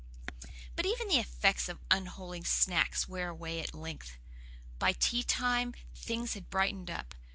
But even the effects of unholy snacks wear away at length. By tea time things had brightened up.